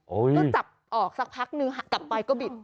ก็จับออกสักพักนึงกลับไปก็บิด